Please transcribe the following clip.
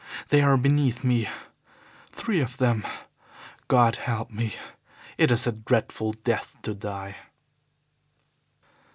They are beneath me, three of them. God help me; it is a dreadful death to die!"